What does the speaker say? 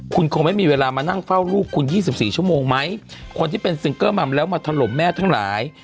คุณคงไม่มีเวลามานั่งเฝ้าลูกคุณยี่สิบสี่ชั่วโมงไหมคนที่เป็นซิงเกลมัมแล้วมาถล่มแม่ทั้งหลาย